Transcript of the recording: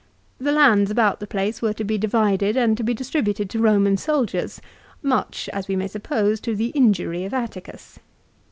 The lands about the place were to be divided and to be distributed to Eoman soldiers, much, as we may suppose, to the injury of Atticus.